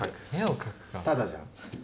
タダじゃん。